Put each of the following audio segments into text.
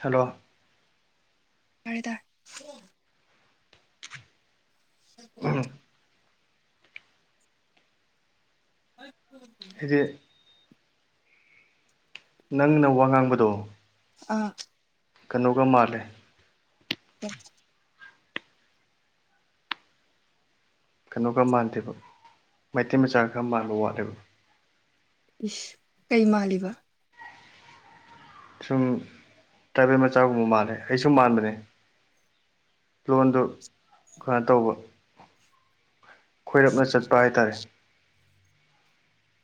hello ꯇꯥꯔꯦ ꯇꯥ [unintelligible] ꯑꯩꯗꯤ [unintelligible] ꯅꯪꯅ ꯋꯥ ꯉꯥꯡꯕꯗꯣ ꯑ ꯀꯩꯅꯣꯒ ꯃꯥꯜꯂꯦ [unintelligible] ꯀꯩꯅꯣꯒ ꯃꯥꯟꯗꯦꯕ ꯃꯩꯇꯩ ꯃꯆꯥ ꯈꯔ ꯃꯥꯟꯕ ꯋꯥꯠꯂꯦꯕ ꯏꯁ ꯀꯩ ꯃꯥꯜꯂꯤꯕ ꯁꯨꯝ ꯇ꯭ꯔꯥꯏꯕꯦꯜ ꯃꯆꯥꯒꯨꯝꯕ ꯃꯥꯜꯂꯦ ꯑꯩꯁꯨ ꯃꯥꯟꯕꯅꯦ ꯂꯣꯟꯗꯨ ꯀꯩꯅꯣ ꯇꯧꯕ ꯈꯣꯏꯔꯞꯅ ꯆꯠꯄ ꯍꯥꯏꯇꯥꯔꯦ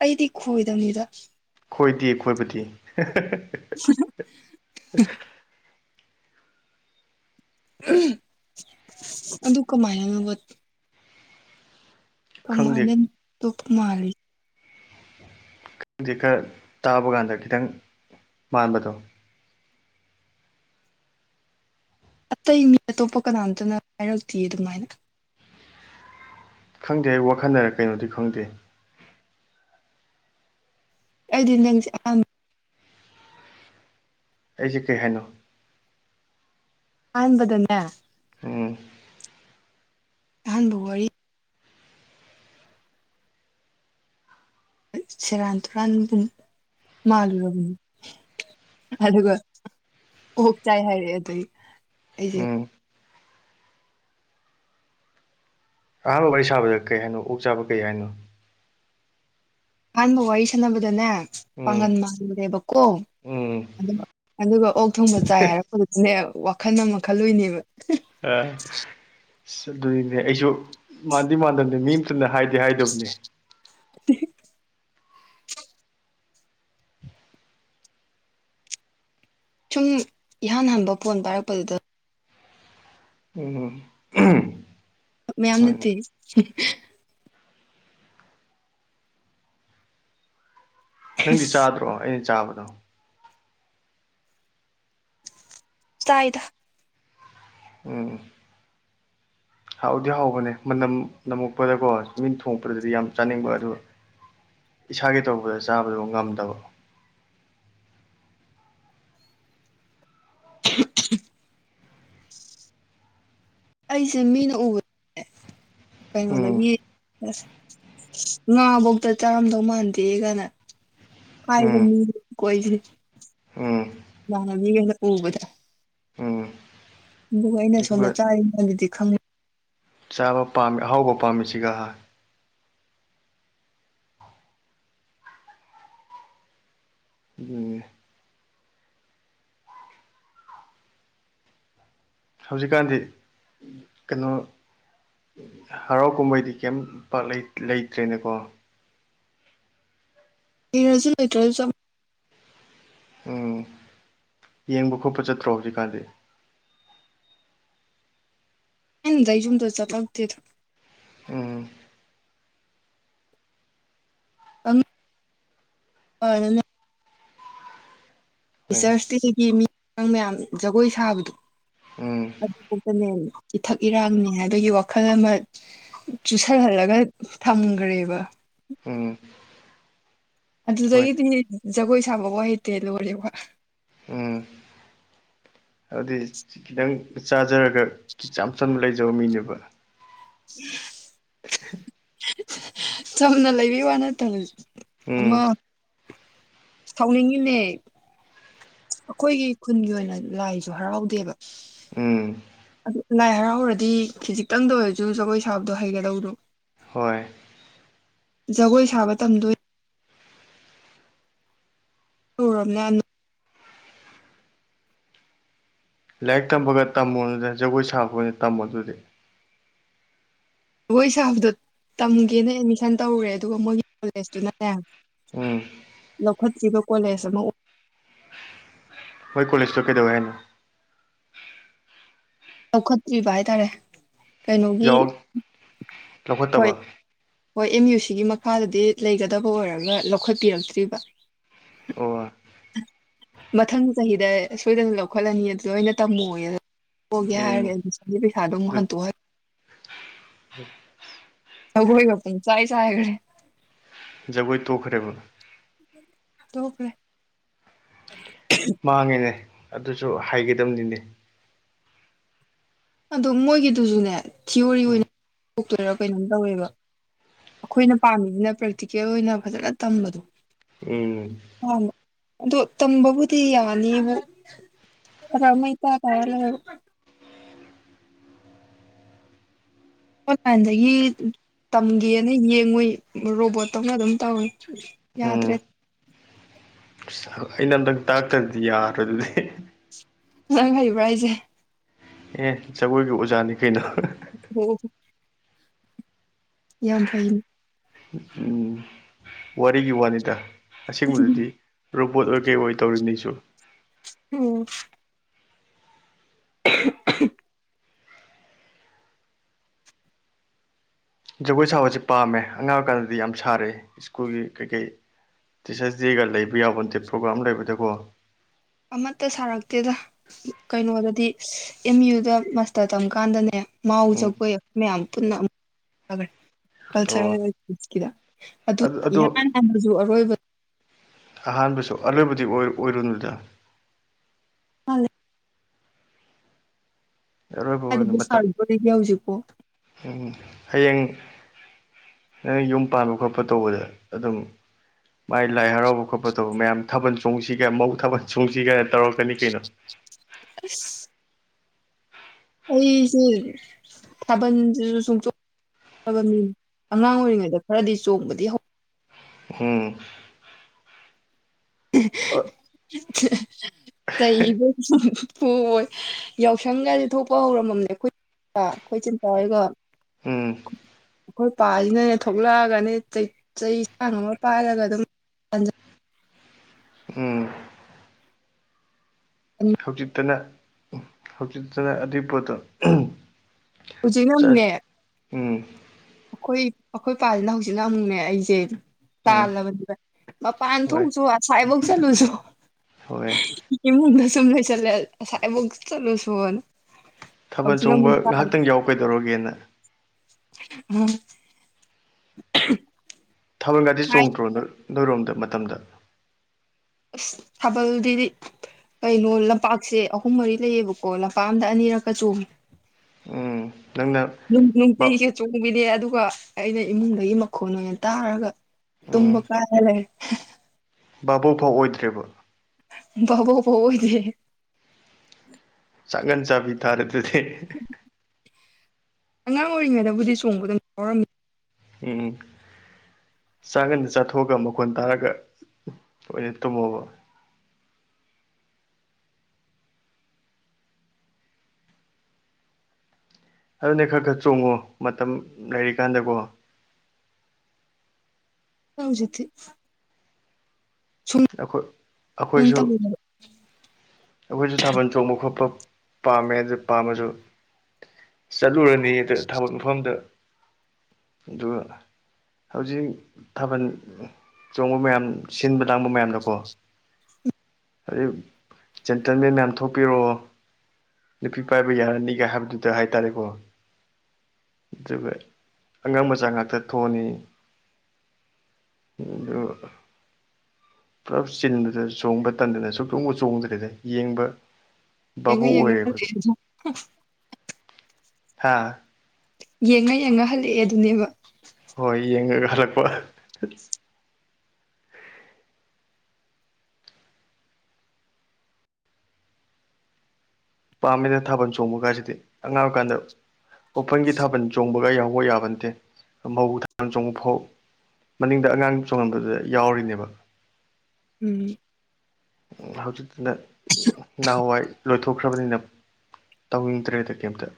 ꯑꯩꯗꯤ ꯈꯣꯏꯗꯝꯅꯤꯗ ꯈꯣꯏꯗꯦ ꯈꯣꯏꯕꯗꯤ [unintelligible] ꯑꯗꯨ ꯀꯃꯥꯏꯅꯅꯣꯕ ꯈꯪꯗꯦ ꯀꯃꯥꯏꯅ ꯇꯣꯞꯄ ꯃꯥꯜꯂꯤ ꯈꯪꯗꯦ ꯈꯔ ꯇꯥꯕ ꯀꯥꯟꯗ ꯈꯤꯇꯪ ꯃꯥꯟꯕꯗꯣ ꯑꯇꯩ ꯃꯤ ꯑꯇꯣꯞꯄ ꯀꯅꯥꯝꯇꯅ ꯍꯥꯏꯔꯛꯇꯦ ꯑꯗꯨꯃꯥꯏꯅ ꯈꯪꯗꯦ ꯑꯩ ꯋꯥꯈꯟꯅꯔ ꯀꯩꯅꯣꯗꯤ ꯈꯪꯗꯦ ꯑꯩꯗꯤ ꯅꯪꯁꯦ ꯑꯍꯥꯟ ꯑꯩꯖ‌ꯦ ꯀꯩ ꯍꯥꯏꯅꯣ ꯑꯍꯥꯟꯕꯗꯅꯦ ꯎꯝ ꯑꯍꯥꯟꯕ ꯋꯥꯔꯤ ꯁꯦꯔꯥꯟ ꯇꯨꯔꯥꯟꯕꯨꯡ ꯃꯥꯜꯂꯨꯔꯕꯅꯤ ꯑꯗꯨꯒ ꯑꯣꯛ ꯆꯥꯏ ꯍꯥꯏꯔꯦ ꯑꯗꯩ ꯑꯩꯖ‌ꯦ ꯎꯝ ꯑꯍꯥꯟꯕ ꯋꯥꯔꯤ ꯁꯥꯕꯗ ꯀꯩ ꯍꯥꯏꯅꯣ ꯑꯣꯛ ꯆꯥꯕ ꯀꯩ ꯍꯥꯏꯅꯣ ꯑꯍꯥꯟꯕ ꯋꯥꯔꯤ ꯁꯥꯟꯅꯕꯗꯅꯦ ꯎꯝ ꯄꯥꯡꯒꯟ ꯃꯜꯂꯨꯔ‌ꯦꯕꯀꯣ ꯎꯝ ꯑꯗꯨꯒ ꯑꯗꯨꯒ ꯑꯣꯛ ꯊꯣꯡꯕ ꯆꯥꯏ ꯍꯥꯏꯔꯛꯄꯗ ꯅꯦ ꯋꯥꯈꯜ ꯑꯃ ꯈꯜꯂꯨꯏꯅꯦꯕ ꯑꯥ ꯑꯁ ꯑꯗꯨꯅꯤꯅꯦ ꯑꯩꯖꯨ ꯃꯥꯟꯗꯤ ꯃꯥꯟꯗꯕꯅꯤ ꯃꯤ ꯑꯃꯇꯅ ꯍꯥꯏꯗꯤ ꯍꯥꯏꯗꯕꯅꯦ [unintelligible] ꯁꯨꯝ ꯏꯍꯥꯟ ꯍꯥꯟꯕ ꯐꯣꯟ ꯄꯥꯏꯔꯛꯄꯗꯨꯗ ꯎ ꯃꯌꯥꯝ ꯅꯠꯇꯦ ꯅꯪꯗꯤ ꯆꯥꯗ꯭ꯔꯣ ꯑꯩꯅ ꯆꯥꯕꯗꯣ ꯆꯥꯏꯗ ꯎꯝ ꯍꯥꯎꯗꯤ ꯍꯥꯎꯕꯅꯦ ꯃꯅꯝ ꯅꯝꯃꯛꯄꯗꯀꯣ ꯃꯤꯟ ꯊꯣꯡꯉꯛꯄꯗꯗꯤ ꯌꯥꯝ ꯆꯥꯅꯤꯡꯕ ꯑꯗꯨ ꯏꯁꯥꯒꯤ ꯇꯧꯕꯗ ꯆꯥꯕꯗ‌ꯣ ꯉꯝꯗꯕ [unintelligible] ꯑꯩꯁꯦ ꯃꯤꯅ ꯎꯕ ꯎꯝ ꯀꯩꯅꯣꯗꯒꯤ ꯑꯁ ꯉꯥ ꯕ‌ꯣꯛꯗ ꯆꯥꯔꯝꯗꯧ ꯃꯥꯟꯗꯦ ꯒꯅ ꯍꯥꯏꯕ ꯎꯝ ꯃꯤ ꯀꯣꯏꯖ‌ꯦ ꯎꯝ ꯏꯃꯥꯥꯟꯅꯕꯤꯒꯩꯅ ꯎꯕꯗ ꯎꯝ ꯑꯗꯨ ꯑꯩꯅ ꯑꯗꯨꯒ ꯁꯣꯝꯗ ꯆꯥꯔꯤꯉꯩꯗꯨꯗꯤ ꯈꯪꯉꯦ ꯆꯥꯕ ꯄꯥꯝꯃꯤ ꯑꯍꯥꯎꯕ ꯄꯥꯝꯃꯤꯁꯤꯒ ꯎꯝ ꯍꯧꯖꯤꯛꯀꯥꯟꯗꯤ ꯀꯩꯅꯣ ꯍꯔꯥꯎ ꯀꯨꯝꯍꯩꯗꯤ ꯀꯩꯝ ꯄꯥꯛ ꯂꯩ ꯂꯩꯇ꯭ꯔꯦꯅ‌ꯦꯀꯣ ꯑꯦꯔꯖꯨ ꯂꯩꯇ꯭ꯔꯁꯨ ꯆꯝ ꯎꯝ ꯌꯦꯡꯕ ꯈꯣꯠꯄ ꯆꯠꯇ꯭ꯔꯣ ꯍꯧꯖꯤꯛꯀꯥꯟꯗꯤ ꯈꯪꯗ‌ꯦ ꯌꯨꯝꯗ ꯆꯠꯄꯂꯛꯇ‌ꯦꯗꯥ ꯎꯝ ꯑ ꯑ ꯍꯣꯏ ꯇꯤꯆ꯭ꯔꯁꯇꯤꯒꯤ ꯃꯤꯥ ꯑꯉꯥꯡꯃꯌꯥꯝ ꯖꯒꯣꯏ ꯁꯥꯕꯗꯣ ꯎꯝ ꯑꯗꯨꯐꯧꯇꯅꯦ ꯏꯊꯛ ꯏꯔꯥꯡꯅꯦ ꯍꯥꯏꯕꯒꯤ ꯋꯥꯈꯜ ꯑꯃ ꯆꯨꯁꯜꯍꯜꯂꯒ ꯊꯝꯒ꯭ꯔꯦꯕ ꯎꯝ ꯍꯣꯏꯅꯦ ꯑꯗꯨꯗꯒꯤꯗꯤ ꯖꯒꯣꯏ ꯁꯥꯕꯕꯧ ꯍꯩꯇꯦ ꯂꯣꯏꯔꯦ ꯋꯥ ꯎꯝ ꯑꯗꯨꯗꯤ ꯈꯤꯇꯪ ꯆꯥꯖꯔꯒ ꯢꯆꯝ ꯆꯝꯅ ꯂꯩꯖꯕ ꯃꯤꯅꯦꯕ [unintelligible] [unintelligible] ꯆꯝꯅ ꯂꯩꯕꯤ ꯋꯥ ꯅꯠꯇꯕ ꯎꯝ ꯑꯃ ꯊꯧꯅꯤꯡꯉꯤꯃꯦ ꯑꯈꯣꯏꯒꯤ ꯈꯨꯟꯒꯤ ꯑꯣꯏꯅ ꯂꯥꯏꯁꯨ ꯍꯔꯥꯎꯗꯦꯕ ꯎꯝ ꯑꯗꯨ ꯂꯥꯏ ꯍꯔꯥꯎꯔꯗꯤ ꯈꯤꯖꯤꯛꯇꯪꯗ ꯑꯣꯏꯔꯖꯨ ꯖꯒꯣꯏ ꯁꯥꯕꯗꯣ ꯍꯩꯒꯗꯧꯗꯣ ꯍꯣꯏ ꯖꯒꯣꯏ ꯁꯥꯕ ꯇꯝꯗꯣꯏ ꯇꯧꯔꯝ ꯌꯥꯝꯅ ꯂꯥꯏꯔꯤꯛ ꯇꯝꯕꯒ ꯇꯝꯃꯣꯔꯅꯨꯗ ꯖꯒꯣꯏ ꯁꯥꯕ ꯑꯣꯢꯅ ꯇꯝꯃꯣ ꯑꯗꯨꯗꯤ ꯗꯒꯣꯏ ꯁꯥꯕꯗꯣ ꯇꯝꯒꯦꯅ ꯑꯦꯠꯃꯤꯁꯟ ꯇꯧꯔꯨꯔꯦ ꯑꯗꯨꯒ ꯃꯣꯏꯒꯤ ꯀꯣꯂꯦꯖꯇꯨꯅꯅꯦ ꯎꯝ ꯂꯧꯈꯠꯈꯤꯕ ꯀꯣꯂꯦꯁ ꯑꯃꯨꯛ ꯃꯣꯏ ꯀꯣꯂꯦꯖꯇꯣ ꯀꯩꯗꯧꯋꯦ ꯍꯥꯏꯅꯣ ꯂꯧꯈꯠꯇ꯭ꯔꯤꯕ ꯍꯥꯏꯇꯥꯔꯦ ꯀꯩꯅꯣꯒꯤ ꯌꯥꯎ ꯍꯣꯏ ꯂꯧꯈꯠꯇꯕ ꯍꯣꯏ ꯑꯦꯝ ꯌꯨ ꯁꯤꯒꯤ ꯃꯈꯥꯗꯗꯤ ꯂꯩꯒꯗꯕ ꯑꯣꯏꯔꯒ ꯂꯧꯈꯠꯄꯤꯔꯛꯇ꯭ꯔꯤꯕ ꯑꯣ ꯃꯊꯪ ꯆꯍꯤꯗ ꯑꯩ ꯁꯣꯏꯗꯅ ꯂꯧꯈꯠꯂꯅꯤ ꯑꯗꯨꯗ ꯑꯣꯢꯅ ꯇꯝꯃꯣꯌꯦ [unintelligible] ꯇꯣꯛꯑꯒꯦ ꯎꯝ ꯍꯥꯏꯔꯒ ꯑꯦꯗꯃꯤꯁꯟꯒꯤ ꯄꯩꯁꯥꯗꯣ ꯑꯃꯨꯛ ꯑꯗꯨ ꯍꯟꯇꯣꯛꯍꯜ [unintelligible] ꯁꯪꯒꯣꯢꯒ ꯄꯨꯡꯆꯥꯏ ꯆꯥꯢꯔꯦ ꯖꯒꯣꯏ ꯇꯣꯛꯈ꯭ꯔꯦꯕ ꯇꯣꯛꯈ꯭ꯔꯦ [unintelligible] ꯃꯥꯡꯉꯦꯅꯦ ꯑꯗꯨꯁꯨ ꯍꯥꯏꯒꯗꯝꯅꯤꯅꯦ ꯑꯗꯣ ꯃꯣꯏꯒꯤꯗꯨꯖꯨꯅꯦ ꯊꯤꯌꯣꯔꯤ ꯎꯝ ꯑꯣꯏꯅ ꯇꯣꯛꯇꯨꯢꯔꯥ ꯀꯩꯅꯣꯝ ꯇꯧꯋꯦꯕ ꯑꯈꯣꯏꯅ ꯄꯥꯝꯃꯤꯖꯤꯅ ꯄ꯭ꯔꯦꯛꯇꯤꯀꯦꯜ ꯑꯣꯏꯅ ꯐꯖꯅ ꯇꯝꯕꯗꯣ ꯎꯝ [unintelligible] ꯑꯗꯣ ꯇꯝꯕꯕꯨꯗꯤ ꯌꯥꯅꯤꯕꯨ [unintelligible] ꯑꯣꯟꯂꯥꯏꯟꯗꯒꯤ ꯇꯝꯒꯦꯅ ꯌꯦꯡꯉꯨꯏ ꯔꯣꯕꯣꯠꯇꯧꯅ ꯑꯗꯨꯝ ꯇꯧꯋꯤ ꯌꯥꯗ꯭ꯔꯦ ꯑꯁ ꯑꯩꯅ ꯑꯝꯇꯪ ꯇꯥꯛꯇ꯭ꯔꯗꯤ ꯌꯥꯔꯣꯏ ꯑꯗꯨꯗꯤ ꯅꯪ ꯍꯩꯕ꯭ꯔꯥ ꯍꯥꯢꯖꯦ ꯑꯦ ꯖꯒꯣꯏꯒꯤ ꯑꯣꯖꯥꯅꯤ ꯀꯩꯅꯣ [unintelligible] ꯌꯥꯝ ꯐꯩ ꯎꯝ ꯋꯥꯔꯤꯒꯤ ꯋꯥꯅꯤꯗ ꯑꯁꯦꯡꯕꯗꯗꯤ ꯔꯣꯕꯣꯠ ꯑꯣꯏ ꯀꯩ ꯑꯣꯏ ꯇꯧꯔꯤꯝꯅꯤ ꯑꯩꯁꯨ ꯎꯝ [unintelligible] ꯖꯒꯣꯏ ꯁꯥꯕꯁꯦ ꯄꯥꯝꯃꯦ ꯑꯉꯥꯡ ꯑꯣꯏꯀꯥꯟꯗꯗꯤ ꯌꯥꯝ ꯁꯥꯔꯛꯑꯦ ꯁ꯭ꯀꯨꯜꯒꯤ ꯀꯩꯀꯩ ꯇꯤꯆꯔꯁ ꯗꯦꯒ ꯂꯩꯕ ꯌꯥꯕ ꯅꯠꯇꯦ ꯄ꯭ꯔꯣꯒ꯭ꯔꯥꯝ ꯑꯝ ꯂꯩꯕꯗꯀꯣ ꯑꯃꯠꯇ ꯁꯥꯔꯛꯇꯦꯗ ꯀꯩꯅꯣꯗꯗꯤ ꯑꯦꯝ ꯌꯨꯗ ꯃꯥꯁꯇꯔ ꯇꯝꯀꯥꯟꯗꯅꯦ ꯃꯥꯎ ꯎꯝ ꯖꯒꯣꯏ ꯑꯩꯈꯣꯌ ꯃꯌꯥꯝ ꯄꯨꯟꯅ ꯑꯃꯨꯛ [unintelligible] ꯑꯣ ꯀꯜꯆꯔꯦꯜ ꯀꯤꯗ ꯑꯗꯨ ꯑꯗꯣ ꯏꯍꯥꯟ ꯍꯥꯟꯕꯁꯨ ꯑꯔꯣꯏꯕ ꯑꯍꯥꯟꯕꯁꯨ ꯑꯔꯣꯏꯕꯗꯤ ꯑꯣꯏ ꯑꯣꯏꯔꯨꯅꯨꯗ ꯑꯔꯣꯏꯕ ꯀꯥꯢꯗꯕꯨ ꯁꯥꯔꯨꯗꯣꯔꯤꯒꯦ ꯍꯧꯖꯤꯛꯄꯨ ꯎꯃ ꯍꯌꯦꯡ ꯅꯪ ꯌꯨꯝ ꯄꯥꯟꯕ ꯈꯣꯠꯄ ꯇꯧꯕꯗ ꯑꯗꯨꯝ ꯃꯥꯏ ꯂꯥꯏ ꯍꯔꯥꯎꯕ ꯈꯣꯠꯄ ꯇꯧꯕ ꯃꯌꯥꯝ ꯊꯥꯕꯜ ꯆꯣꯡꯁꯤꯒꯦ ꯃꯧ ꯊꯥꯕꯜ ꯆꯣꯡꯁꯤꯒꯦꯅ ꯇꯧꯔꯛꯀꯅꯤ ꯀꯩꯅꯣ ꯑꯁ ꯑꯩꯁꯦ ꯊꯥꯕꯜꯁꯤꯁꯨ ꯁꯨꯡꯆꯣꯡ [unintelligible] ꯑꯉꯥꯡ ꯑꯣꯏꯔꯤꯉꯩꯗ ꯈꯔꯗꯤ ꯆꯣꯡꯕꯗꯤ ꯍꯧ ꯍꯨꯡ [unintelligible] ꯆꯩꯕꯁꯨꯝ ꯄꯣꯏ ꯌꯥꯎꯁꯪꯒꯁꯦ ꯊꯣꯛꯄ ꯍꯧꯔꯝꯃꯥꯝꯅꯦ ꯑꯩꯈꯣꯏ ꯄ ꯑꯩꯈꯣꯏꯆꯤꯟ ꯄ ꯍꯣꯏꯒ ꯎꯝ ꯑꯩꯈꯣꯏ ꯄꯥꯁꯤꯅꯅꯦ ꯊꯣꯛꯂꯛꯑꯒꯅꯦ ꯆꯩ ꯆꯩꯁꯥꯡ ꯑꯃ ꯄꯥꯏꯔꯒ ꯑꯗꯨꯝ ꯇꯥꯟꯖꯟ ꯎꯝ [unintelligible] ꯍꯧꯖꯤꯛꯇꯅ ꯍꯧꯖꯤꯛꯇꯅ ꯑꯗꯨꯏ ꯄꯣꯠꯇꯣ ꯍꯧꯖꯤꯛꯅ ꯆꯠ ꯎꯝ ꯑꯈꯣꯏ ꯑꯩꯈꯣꯏ ꯄꯥꯁꯤꯅ ꯍꯧꯖꯤꯛꯅ ꯑꯃꯨꯛꯅꯦ ꯑꯩꯁꯦ ꯎꯝ ꯇꯥꯜꯂꯕꯅꯤꯕ ꯃꯄꯥꯟ ꯍꯣꯏ ꯊꯣꯛꯎꯆꯣ ꯑꯁꯥꯏꯐꯧ ꯆꯠꯂꯨꯁꯨ ꯍꯣꯏ ꯏꯃꯨꯡꯗ ꯁꯨꯝ ꯂꯩꯁꯜꯂꯦ ꯑꯁꯥꯢꯕꯧ ꯆꯠꯂꯨꯁꯣꯅ ꯊꯥꯕꯜ ꯆꯣꯡꯕ ꯉꯥꯍꯥꯛꯇꯪ ꯌꯥꯎ ꯀꯩꯗꯧꯔꯒꯦꯅ ꯎꯝ [unintelligible] ꯊꯥꯕꯜꯒꯗꯤ ꯍꯥꯏ ꯆꯣꯡꯗ꯭ꯔꯣ ꯅꯣꯢ ꯅꯣꯏꯔꯣꯝꯗ ꯃꯇꯝꯗ ꯑꯁ ꯊꯥꯕꯜꯗꯤꯗꯤ ꯀꯩꯅꯣ ꯂꯝꯄꯥꯛꯁꯦ ꯑꯍꯨꯝ ꯃꯔꯤ ꯂꯩꯌꯦꯕꯀꯣ ꯂꯝꯄꯥꯛ ꯑꯝꯗ ꯑꯅꯤꯔꯛꯀ ꯆꯣꯡꯉꯦ ꯎꯝ ꯅꯪꯅ ꯅꯨꯡ ꯕꯥ ꯅꯨꯡꯇꯤꯒꯤ ꯆꯣꯡꯕꯤꯅꯤ ꯑꯗꯨꯒ ꯑꯩꯅ ꯏꯃꯨꯡꯗꯒꯤ ꯃꯈꯣꯟ ꯑꯣꯏꯅ ꯇꯥꯔꯒ ꯇꯨꯝꯕ ꯎꯝ ꯀꯥꯢꯔ ꯂꯩ ꯕꯥꯕꯣꯛ ꯐꯥꯎ ꯑꯣꯏꯗ꯭ꯔꯦꯕ ꯕꯕꯣꯛ ꯐꯥꯎ ꯑꯣꯏꯗꯦ ꯆꯥꯛꯒꯟ ꯆꯥꯕꯤ ꯇꯥꯔꯦ ꯑꯗꯨꯗꯤ ꯑꯉꯥꯡ ꯑꯣꯏꯔꯤꯉꯩꯗꯕꯨꯗꯤ ꯆꯣꯡꯕ ꯑꯗꯨꯝ ꯌꯥꯥꯎꯔꯝꯃꯤ ꯎꯝ ꯎꯃ ꯆꯥꯛꯒꯟ ꯆꯥꯊꯣꯛꯑꯒ ꯃꯈꯣꯟ ꯇꯥꯔꯒ ꯑꯣꯢꯅ ꯇꯨꯝꯃꯕꯣ ꯑꯗꯨꯅꯦ ꯈꯔ ꯈꯔ ꯆꯣꯡꯉꯣ ꯃꯇꯝ ꯂꯩꯔꯤꯀꯥꯟꯗꯀꯣ ꯅꯪ ꯍꯧꯖꯤꯛꯇꯤ ꯁꯨꯝ ꯑꯩꯈꯣꯏ ꯑꯩꯈꯣꯏꯁꯨ ꯇꯧꯋꯦꯕ ꯑꯩꯈꯣꯏꯁꯨ ꯊꯥꯕꯜ ꯆꯣꯡꯕ ꯈꯣꯠꯄ ꯄꯥꯝꯃꯦ ꯑꯗꯨ ꯄꯥꯝꯃꯁꯨ ꯆꯠꯂꯨꯔꯅꯤ ꯑꯗꯨ ꯊꯕꯜ ꯃꯐꯝꯗ ꯑꯗꯨꯒ ꯍꯧꯖꯤꯛ ꯊꯥꯕꯜ ꯆꯣꯡꯕ ꯃꯌꯥꯝ ꯁꯤꯟꯕ ꯂꯥꯡꯕ ꯃꯌꯥꯝꯗꯀꯣ ꯑꯗꯩ ꯖꯦꯟꯇꯜꯃꯦꯟ ꯃꯌꯥꯝ ꯊꯣꯛꯄꯤꯔꯛꯑꯣ ꯅꯨꯄꯤ ꯄꯥꯏꯕ ꯌꯥꯔꯅꯤꯒ ꯍꯥꯏꯕꯗꯨꯗ ꯍꯥꯏꯇꯥꯔꯦꯀꯣ ꯑꯉꯥꯡ ꯃꯆꯥ ꯉꯥꯛꯇ ꯊꯣꯛꯑꯅꯤ ꯑꯗꯨ ꯄꯨꯂꯞ ꯆꯤꯟꯕꯗ ꯆꯣꯡꯕ ꯇꯟꯗꯅ ꯁꯨꯆꯣꯡꯕꯨ ꯆꯣꯡꯗ꯭ꯔꯦꯗ ꯌꯦꯡꯕ ꯕꯥꯕꯨ ꯌꯦꯡꯉ ꯌꯦꯡꯉ ꯑꯣꯏꯔꯦ ꯑꯩꯈꯣꯏꯁꯨ [unintelligible] ꯍ ꯍꯥꯥ ꯌꯦꯡꯉ ꯌꯦꯡꯉ ꯍꯜꯂꯛꯑꯦ ꯗꯨꯅꯦꯕ ꯍꯣꯏ ꯌꯦꯡꯉꯒ ꯍꯜꯂꯛꯄ ꯄꯥꯝꯃꯦꯗ ꯊꯥꯕꯜ ꯆꯣꯡꯕꯀꯥꯢꯁꯤꯗꯤ ꯑꯉꯥꯡ ꯑꯣꯏꯀꯥꯟꯗ ꯑꯣꯄꯟꯒꯤ ꯊꯥꯕꯜ ꯆꯣꯡꯕꯒ ꯌꯥꯎꯕ ꯌꯥꯕ ꯅꯠꯇꯦ ꯃꯧ ꯊꯥꯕꯜ ꯆꯣꯡꯕ ꯐꯥꯎ ꯃꯅꯤꯡꯗ ꯑꯉꯥꯡ ꯆꯣꯡꯍꯟꯕꯗ ꯌꯥꯎꯔꯤꯅꯦꯕ ꯎꯝ ꯍꯧꯖꯤꯛꯇꯅ ꯅꯍꯥꯟꯋꯥꯏ ꯂꯣꯏꯊꯣꯛꯈ꯭ꯔꯕꯅꯤꯅ ꯇꯧꯅꯤꯡꯗ꯭ꯔꯦꯗ ꯀꯩꯝꯇ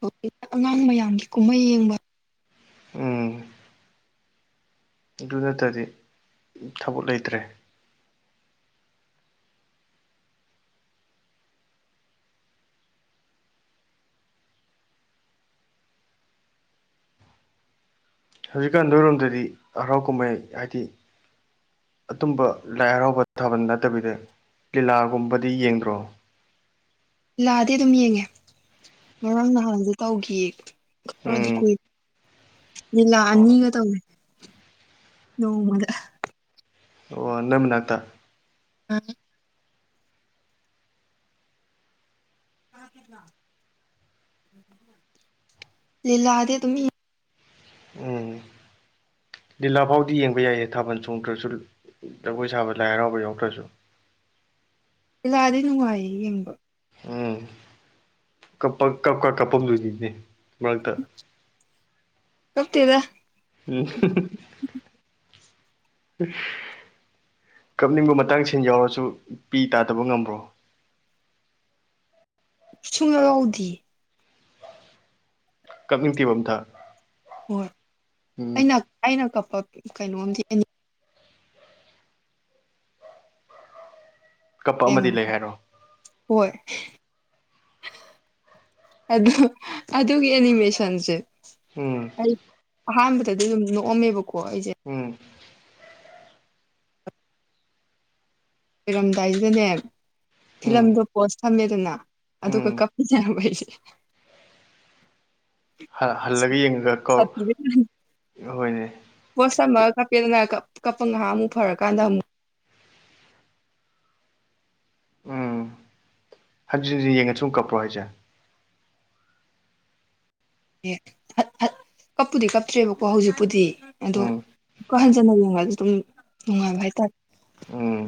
ꯍꯧꯖꯤꯛꯅ ꯑꯉꯥꯡ ꯃꯌꯥꯝꯒꯤ ꯀꯨꯝꯍꯩ ꯌꯦꯡꯕ ꯎꯝ ꯑꯗꯨ ꯅꯠꯇꯔꯗꯤ ꯊꯕꯛ ꯂꯩꯇ꯭ꯔꯦ ꯍꯧꯖꯤꯛꯀꯥꯟ ꯅꯣꯏꯔꯣꯝꯗꯗꯤ ꯍꯔꯥꯎ ꯀꯨꯝꯍꯩ ꯍꯥꯏꯗꯤ ꯑꯗꯨꯨꯝꯕ ꯂꯥꯏ ꯍꯔꯥꯎꯕ ꯊꯥꯕꯟ ꯅꯠꯇꯕꯤꯗ ꯂꯤꯂꯥꯒꯨꯝꯕꯗꯤ ꯌꯦꯡꯗ꯭ꯔꯣ ꯂꯥꯗꯤ ꯑꯗꯨꯝ ꯌꯦꯡꯉꯦ ꯉꯔꯥꯡ ꯅꯍꯥꯟꯁꯨ ꯇꯧꯈꯤꯌꯦ ꯈꯔꯗꯤ ꯎꯝ ꯀꯨꯏ ꯂꯤꯂꯥ ꯑꯣ ꯑꯅꯤꯒ ꯇꯧꯋꯦ ꯅꯣꯡꯃꯗ ꯑꯣ ꯅꯣꯢ ꯃꯅꯥꯛꯇ ꯃꯟꯅꯦ ꯂꯤꯂꯥꯗꯤ ꯗꯨꯝ ꯌꯦꯡ ꯎꯝ ꯂꯤꯂꯥ ꯐꯥꯎꯗꯤ ꯌꯦꯡꯕ ꯌꯥꯏꯌꯦ ꯊꯥꯕꯜ ꯆꯣꯡꯗ꯭ꯔꯁꯨ ꯖꯒꯣꯏ ꯁꯥꯕ ꯂꯥꯏ ꯍꯔꯥꯎꯕ ꯌꯥꯎꯗ꯭ꯔꯁꯨ ꯂꯤꯂꯥꯗꯤ ꯅꯨꯡꯉꯥꯏꯌꯦ ꯌꯦꯡꯕ ꯎꯝ ꯀꯞꯄ ꯀꯞꯀ ꯀꯞꯄꯝꯗꯣꯢꯅꯤꯅꯦ ꯃꯔꯛꯇ ꯀꯞꯇꯦꯗ ꯎꯝ [unintelligible] ꯀꯞꯅꯤꯡꯕ ꯃꯇꯥꯡ ꯁꯤꯟ ꯌꯥꯎꯔꯁꯨ ꯄꯤ ꯇꯥꯗꯕ ꯉꯝꯕ꯭ꯔꯣ ꯁꯨꯡ ꯌꯥꯎ ꯌꯥꯎꯗꯤꯌꯦ ꯀꯛꯅꯤꯡꯇꯦꯕ ꯑꯝꯇ ꯍꯣꯏ ꯎꯝ ꯑꯩꯅ ꯑꯩꯅ ꯀꯞꯄ ꯀꯩꯅꯣꯝꯗꯤ ꯀꯞꯄ ꯑꯃꯗꯤ ꯂꯩ ꯌꯦꯡꯉ ꯍꯥꯏꯔꯣ ꯍꯣꯏ ꯑꯗꯨ ꯑꯗꯨꯒꯤ ꯑꯦꯅꯤꯃꯦꯁꯟꯁꯦ ꯎꯝ ꯑꯩ ꯑꯍꯥꯟꯕꯗꯗꯤ ꯑꯗꯨꯝ ꯅꯣꯛꯑꯝꯃꯦꯕꯀꯣ ꯑꯩꯁꯦ ꯎꯝ ꯂꯣꯏꯔꯝꯗꯥꯏꯖꯤꯗꯅꯦ ꯎꯝ ꯐꯤꯂꯝꯗꯣ ꯄꯣꯁ ꯊꯝꯃꯦꯗꯅ ꯑꯗꯨꯒ ꯎꯝ ꯀꯞ ꯄꯤꯅꯦꯕꯩꯖꯦ ꯍꯜ ꯍꯜꯂꯒ ꯌꯦꯡꯉꯒ ꯀꯧ ꯍꯣꯏꯅꯦ ꯄꯣꯁ ꯊꯝꯃꯒ ꯀꯞꯄꯦꯗꯅ ꯀꯞ ꯀꯞꯄ ꯉꯍꯥꯛ ꯑꯃꯨꯛ ꯐꯔꯀꯥꯟꯗ ꯑꯃꯨꯛ ꯎꯝ ꯍꯟꯖꯤꯟ ꯍꯟꯖꯤꯟ ꯌꯦꯡꯉꯁꯨꯝ ꯀꯄ꯭ꯔꯣ ꯍꯥꯏꯁꯦ ꯑꯦ ꯀꯞꯄꯨꯗꯤ ꯀꯞꯇ꯭ꯔꯦꯕꯀꯣ ꯍꯧꯖꯤꯛꯄꯨꯗꯤ ꯑꯗꯣ ꯎꯝ ꯃꯨꯛꯀ ꯍꯟꯖꯟꯅ ꯌꯦꯡꯉꯁꯨ ꯑꯗꯨꯝ ꯅꯨꯡꯉꯥꯏꯕ ꯍꯥꯏꯇꯥꯔꯦ ꯎꯝ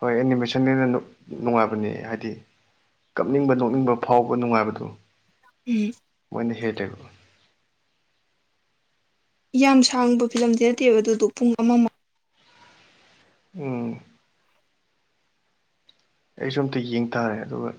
ꯍꯣꯏ ꯑꯦꯅꯤꯃꯦꯁꯟꯗꯨꯅ ꯅꯨꯡꯉꯥꯏꯕꯅꯦ ꯍꯥꯏꯗꯤ ꯀꯞꯅꯤꯡꯕ ꯅꯣꯛꯅꯤꯡꯕ ꯐꯥꯎꯕ ꯅꯨꯡꯉꯥꯏꯕꯗꯨ ꯎꯝ ꯃꯣꯏꯅ ꯍꯦꯜꯂꯦꯕ ꯌꯥꯝ ꯁꯥꯡꯕ ꯐꯤꯂꯝꯗꯤ ꯅꯠꯇꯦꯕ ꯑꯗꯨꯗꯣ ꯄꯨꯡ ꯑꯃ ꯃ ꯎꯝ ꯑꯩꯁꯨ ꯑꯝꯇ ꯌꯦꯡ ꯇꯥꯔꯦ ꯑꯗꯨꯒ